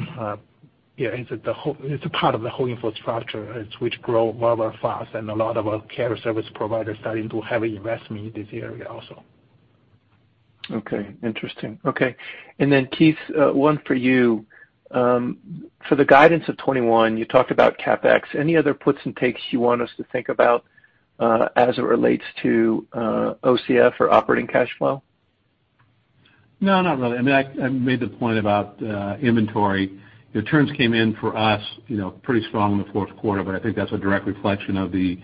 It's a part of the whole infrastructure, which grow rather fast and a lot of our carrier service providers starting to have investment in this area also. Okay, interesting. Okay. Keith, one for you. For the guidance of 2021, you talked about CapEx. Any other puts and takes you want us to think about, as it relates to OCF or operating cash flow? No, not really. I mean, I made the point about inventory. The turns came in for us pretty strong in the fourth quarter, but I think that's a direct reflection of the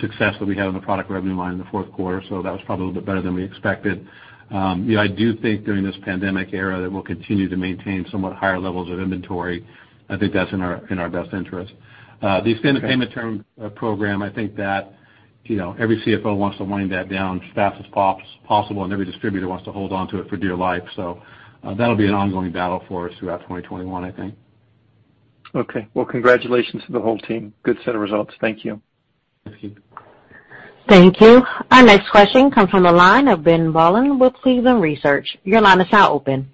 success that we had on the product revenue line in the fourth quarter. That was probably a little bit better than we expected. I do think during this pandemic era that we'll continue to maintain somewhat higher levels of inventory. I think that's in our best interest. The extended payment term program, I think that every CFO wants to wind that down as fast as possible, and every distributor wants to hold onto it for dear life. That'll be an ongoing battle for us throughout 2021, I think. Okay. Well, congratulations to the whole team. Good set of results. Thank you. Thank you. Thank you. Our next question comes from the line of Ben Bollin with Cleveland Research. Your line is now open.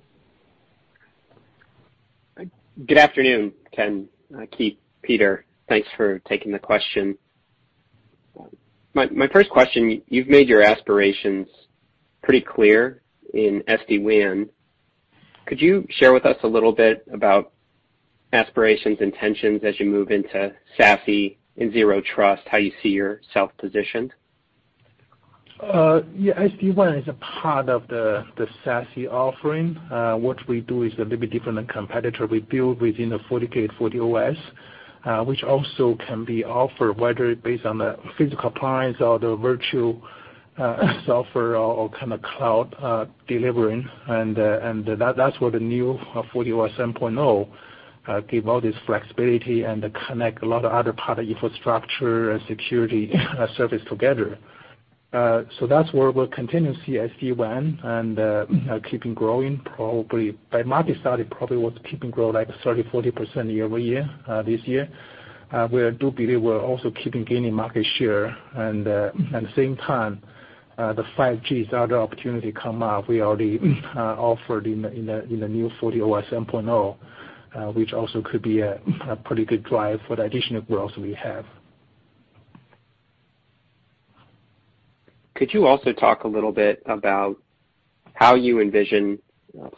Good afternoon, Ken, Keith, Peter. Thanks for taking the question. My first question, you've made your aspirations pretty clear in SD-WAN. Could you share with us a little bit about aspirations, intentions as you move into SASE and zero trust, how you see your self-positioned? Yeah. SD-WAN is a part of the SASE offering. What we do is a little bit different than competitor. We build within the FortiGate, FortiOS, which also can be offered whether it's based on the physical appliance or the virtual software or cloud delivering. That's where the new FortiOS 7.0 give all this flexibility and connect a lot of other part of infrastructure and Security Fabric together. That's where we'll continue see SD-WAN and keeping growing probably by market study, probably what's keeping grow like 30%-40% year-over-year, this year. We do believe we're also keeping gaining market share. At the same time, the 5G other opportunity come up, we already offered in the new FortiOS 7.0, which also could be a pretty good drive for the additional growth we have. Could you also talk a little bit about how you envision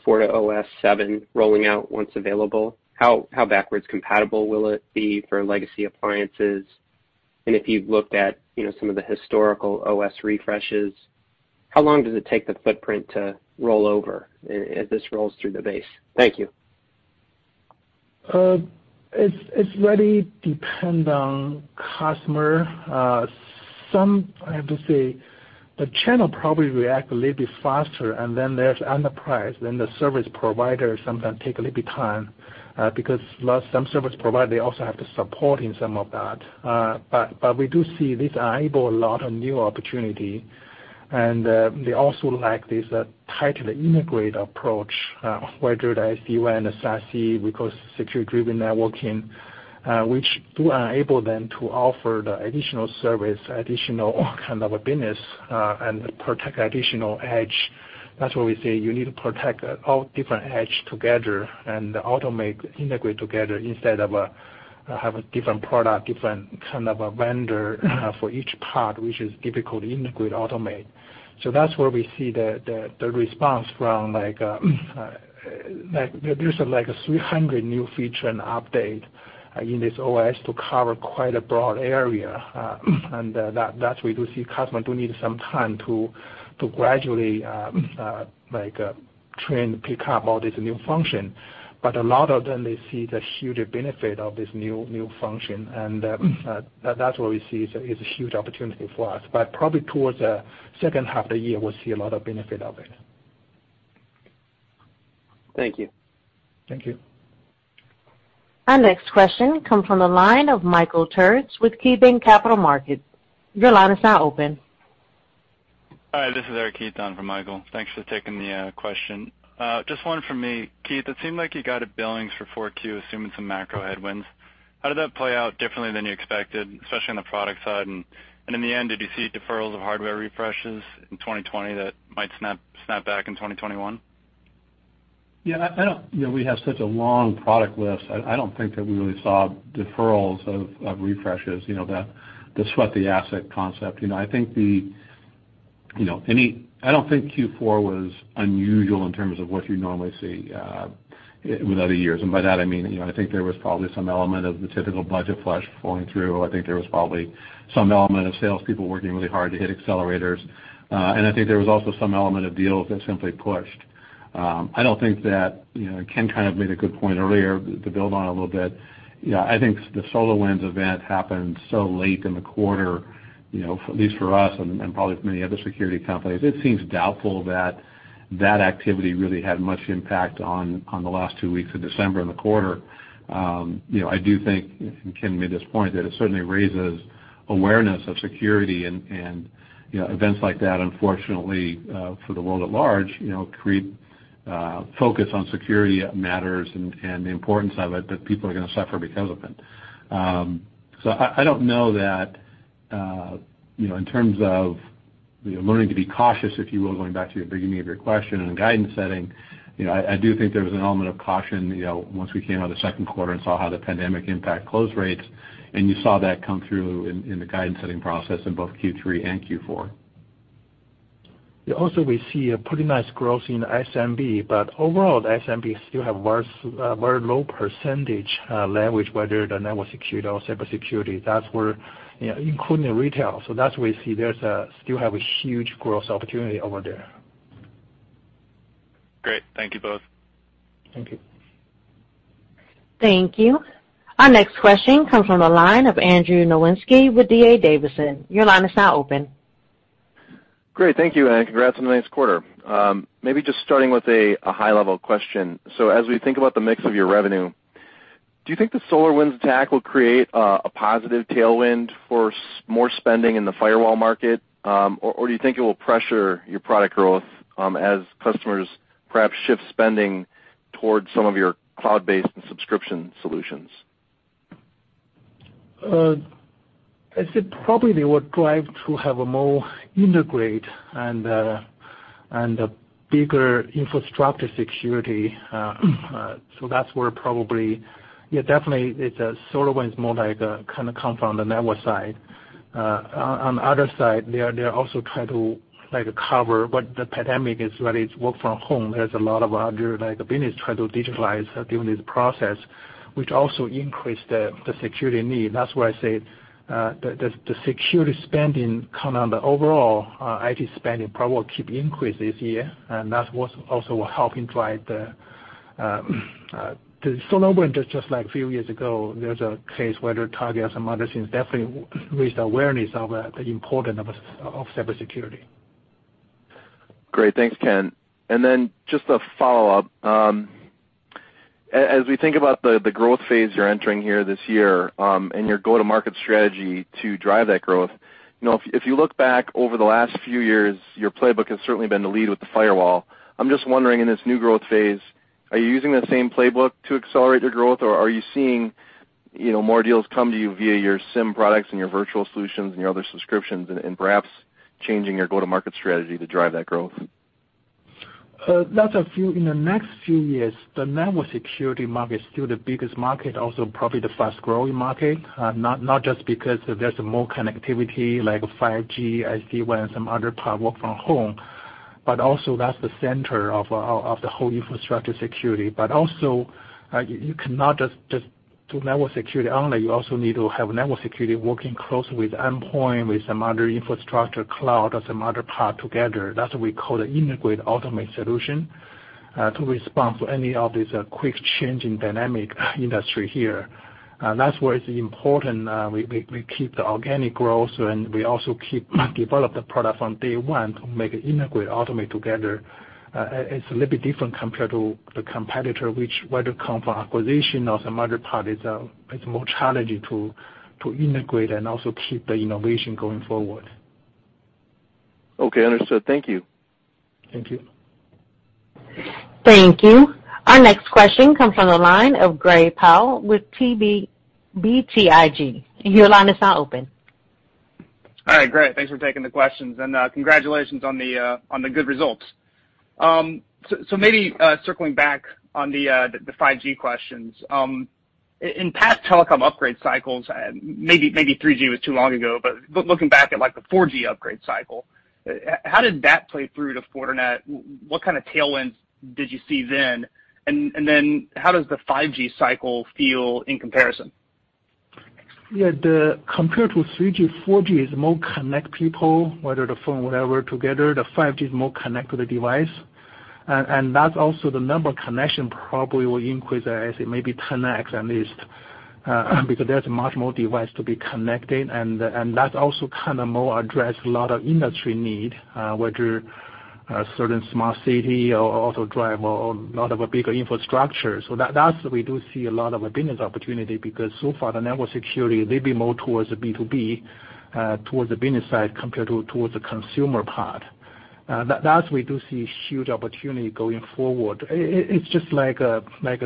FortiOS 7 rolling out once available? How backwards compatible will it be for legacy appliances? If you've looked at some of the historical OS refreshes, how long does it take the footprint to roll over as this rolls through the base? Thank you. It really depend on customer. Some, I have to say, the channel probably react a little bit faster, then there's enterprise, then the service provider sometimes take a little bit time, because some service provider, they also have the support in some of that. We do see this enable a lot of new opportunity. They also like this tightly integrated approach, whether the SD-WAN, SASE, we call Security-Driven Networking, which do enable them to offer the additional service, additional kind of business, and protect additional edge. That's where we say you need to protect all different edge together and automate, integrate together instead of have a different product, different kind of a vendor for each part, which is difficult to integrate, automate. That's where we see the response from like, there's like a 300 new feature and update in this OS to cover quite a broad area. That we do see customer do need some time to gradually train to pick up all this new function. A lot of them, they see the huge benefit of this new function, and that's where we see it's a huge opportunity for us. Probably towards the second half of the year, we'll see a lot of benefit of it. Thank you. Thank you. Our next question come from the line of Michael Turits with KeyBanc Capital Markets. Your line is now open. Hi, this is Eric Heath on for Michael. Thanks for taking the question. Just one from me. Keith, it seemed like you guided billings for 4Q assuming some macro headwinds. How did that play out differently than you expected, especially on the product side? In the end, did you see deferrals of hardware refreshes in 2020 that might snap back in 2021? Yeah, we have such a long product list. I don't think that we really saw deferrals of refreshes, the sweat the asset concept. I don't think Q4 was unusual in terms of what you normally see with other years. By that I mean, I think there was probably some element of the typical budget flush flowing through. I think there was probably some element of salespeople working really hard to hit accelerators. I think there was also some element of deals that simply pushed. I don't think that Ken kind of made a good point earlier to build on a little bit. I think the SolarWinds event happened so late in the quarter, at least for us, and probably for many other security companies. It seems doubtful that that activity really had much impact on the last two weeks of December and the quarter. I do think, and Ken made this point, that it certainly raises awareness of security, and events like that, unfortunately, for the world at large, create focus on security matters and the importance of it, but people are going to suffer because of it. I don't know that, in terms of learning to be cautious, if you will, going back to the beginning of your question in a guidance setting, I do think there was an element of caution once we came out of the second quarter and saw how the pandemic impact close rates, and you saw that come through in the guidance setting process in both Q3 and Q4. We see a pretty nice growth in SMB, but overall, the SMB still have very low percentage language, whether the network security or cybersecurity, including retail. We see there's still have a huge growth opportunity over there. Great. Thank you both. Thank you. Thank you. Our next question comes from the line of Andrew Nowinski with D.A. Davidson. Your line is now open. Great. Thank you, and congrats on the nice quarter. Maybe just starting with a high-level question. As we think about the mix of your revenue, do you think the SolarWinds attack will create a positive tailwind for more spending in the firewall market? Or do you think it will pressure your product growth as customers perhaps shift spending towards some of your cloud-based and subscription solutions? I said probably they would drive to have a more integrated and a bigger infrastructure security. That's where probably Yeah, definitely, SolarWinds more like kind of come from the network side. On the other side, they also try to cover what the pandemic is, whether it's work from home. There's a lot of other business try to digitalize during this process, which also increase the security need. That's why I say the security spending come on the overall IT spending probably will keep increasing this year. SolarWinds is just like a few years ago, there's a case where they target some other things, definitely raised awareness of the importance of cybersecurity. Great. Thanks, Ken. Then just a follow-up. As we think about the growth phase you're entering here this year, and your go-to-market strategy to drive that growth, if you look back over the last few years, your playbook has certainly been to lead with the firewall. I'm just wondering, in this new growth phase, are you using that same playbook to accelerate your growth, or are you seeing more deals come to you via your SIEM products and your virtual solutions and your other subscriptions, and perhaps changing your go-to-market strategy to drive that growth? In the next few years, the network security market is still the biggest market, also probably the fast-growing market. Not just because there's more connectivity, like 5G, SD-WAN, some other part work from home, but also that's the center of the whole infrastructure security. Also, you cannot just do network security only. You also need to have network security working closely with endpoint, with some other infrastructure, cloud as some other part together. That's what we call the integrate automate solution to respond to any of this quick change in dynamic industry here. That's where it's important we keep the organic growth, we also keep develop the product from day one to make it integrate automate together. It's a little bit different compared to the competitor, which whether it come from acquisition or some other part, it's more challenging to integrate and also keep the innovation going forward. Okay, understood. Thank you. Thank you. Thank you. Our next question comes from the line of Gray Powell with BTIG. Your line is now open. All right, great. Thanks for taking the questions, and congratulations on the good results. Maybe circling back on the 5G questions. In past telecom upgrade cycles, maybe 3G was too long ago, but looking back at the 4G upgrade cycle, how did that play through to Fortinet? What kind of tailwinds did you see then? How does the 5G cycle feel in comparison? Yeah. Compared to 3G, 4G is more connect people, whether the phone, whatever, together. That's also the number connection probably will increase, I think, maybe 10X at least, because there's much more device to be connected, and that also kind of more address a lot of industry need, whether a certain smart city or auto drive or a lot of a bigger infrastructure. That we do see a lot of business opportunity because so far the network security, they've been more towards the B2B, towards the business side compared towards the consumer part. That we do see huge opportunity going forward. It's just like a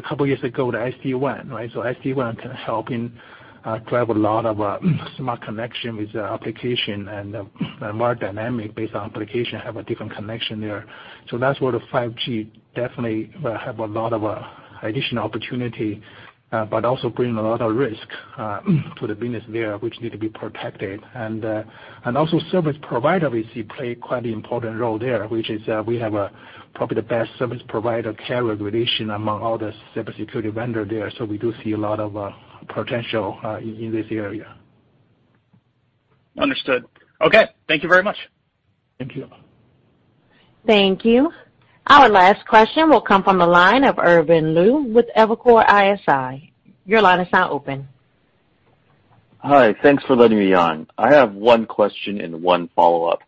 couple years ago, the SD-WAN, right? SD-WAN can help in drive a lot of smart connection with the application and more dynamic based on application have a different connection there. That's where the 5G definitely will have a lot of additional opportunity, but also bring a lot of risk to the business there, which need to be protected. Also, service provider, we see play quite the important role there, which is we have probably the best service provider carrier relation among all the cybersecurity vendor there. We do see a lot of potential in this area. Understood. Okay. Thank you very much. Thank you. Thank you. Our last question will come from the line of Irvin Liu with Evercore ISI. Your line is now open. Hi. Thanks for letting me on. I have one question and one follow-up.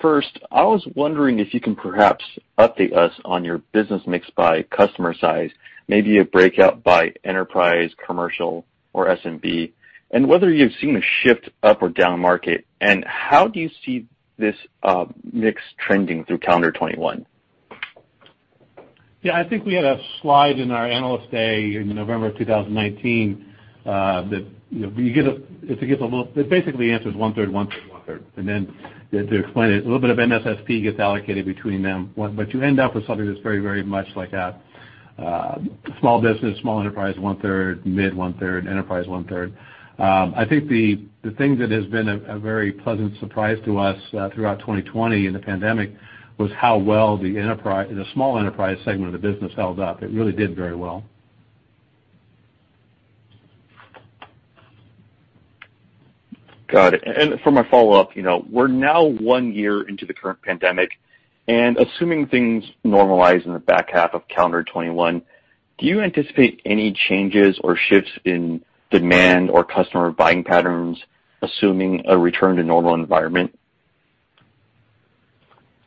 First, I was wondering if you can perhaps update us on your business mix by customer size, maybe a breakout by enterprise, commercial, or SMB, and whether you've seen a shift up or down market, and how do you see this mix trending through calendar 2021? Yeah, I think we had a slide in our Analyst Day in November of 2019 that basically answers one-third, one-third, one-third. Then to explain it, a little bit of MSSP gets allocated between them. You end up with something that's very much like that. Small business, small enterprise, one-third, mid, one-third, enterprise, one-third. I think the thing that has been a very pleasant surprise to us throughout 2020 and the pandemic was how well the small enterprise segment of the business held up. It really did very well. Got it. For my follow-up, we're now one year into the current pandemic, and assuming things normalize in the back half of calendar 2021, do you anticipate any changes or shifts in demand or customer buying patterns, assuming a return to normal environment?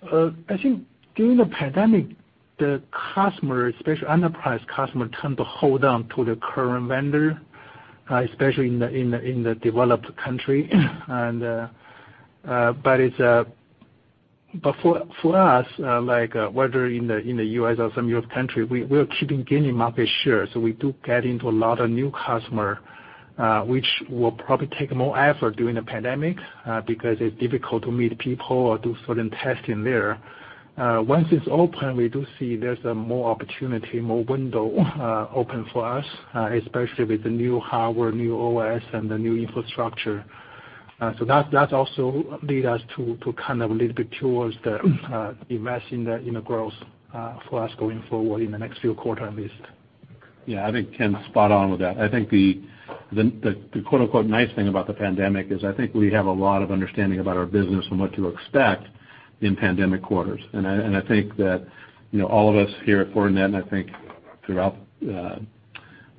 I think during the pandemic, the customer, especially enterprise customer, tend to hold on to the current vendor, especially in the developed country. For us, whether in the U.S. or some European country, we're keeping gaining market share. We do get into a lot of new customers, which will probably take more effort during the pandemic, because it's difficult to meet people or do certain testing there. Once it's open, we do see there's more opportunity, more window open for us, especially with the new hardware, new OS, and the new infrastructure. That also led us to kind of a little bit towards the invest in the growth for us going forward in the next few quarters, at least. Yeah, I think Ken's spot on with that. I think the quote-unquote "nice thing" about the pandemic is I think we have a lot of understanding about our business and what to expect in pandemic quarters. I think that all of us here at Fortinet and I think throughout the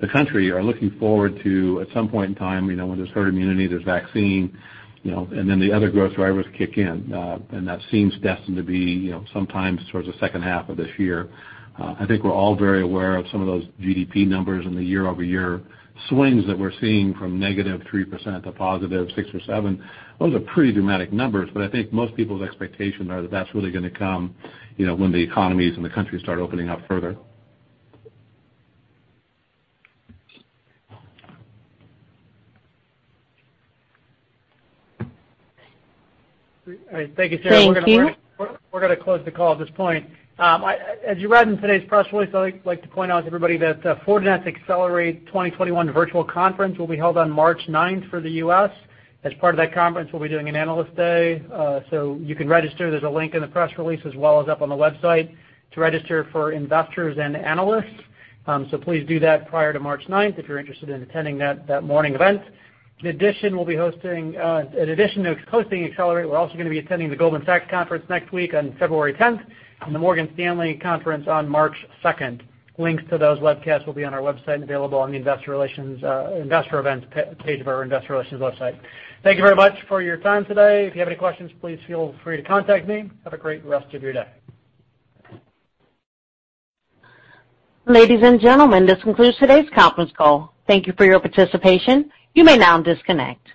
country are looking forward to, at some point in time, when there's herd immunity, there's vaccine, and then the other growth drivers kick in. That seems destined to be sometimes towards the second half of this year. I think we're all very aware of some of those GDP numbers and the year-over-year swings that we're seeing from negative 3% to positive six or seven percent. Those are pretty dramatic numbers, but I think most people's expectations are that that's really going to come when the economies and the countries start opening up further. All right. Thank you, sir. Thank you. We're going to close the call at this point. As you read in today's press release, I'd like to point out to everybody that Fortinet's Accelerate 2021 virtual conference will be held on March 9th for the U.S. As part of that conference, we'll be doing an Analyst Day. You can register. There's a link in the press release as well as up on the website to register for investors and analysts. Please do that prior to March 9th if you're interested in attending that morning event. In addition to hosting Accelerate, we're also going to be attending the Goldman Sachs conference next week on February 10th and the Morgan Stanley conference on March 2nd. Links to those webcasts will be on our website and available on the investor events page of our investor relations website. Thank you very much for your time today. If you have any questions, please feel free to contact me. Have a great rest of your day. Ladies and gentlemen, this concludes today's conference call. Thank you for your participation. You may now disconnect.